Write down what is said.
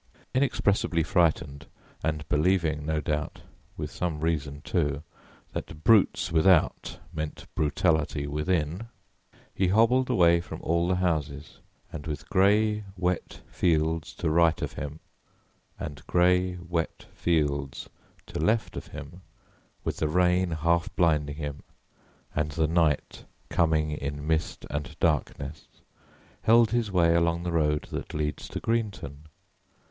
Inexpressibly frightened, and believing, no doubt (with some reason, too), that brutes without meant brutality within, he hobbled away from all the houses, and with grey, wet fields to right of him and grey, wet fields to left of him with the rain half blinding him and the night coming in mist and darkness, held his way along the road that leads to Greenton.